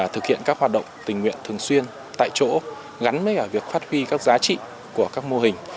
thực hiện các hoạt động tình nguyện thường xuyên tại chỗ gắn với việc phát huy các giá trị của các mô hình